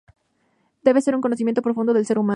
Debe ser un conocimiento profundo del ser humano.